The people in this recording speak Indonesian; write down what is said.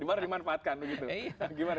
gimana dimanfaatkan begitu dan gimana